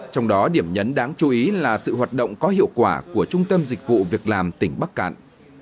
trong đó điểm nhấn đáng chú ý là sự hoạt động có hiệu quả của trung tâm dịch vụ việc làm tỉnh bắc cạn